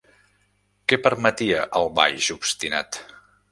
Què permetia el baix obstinat?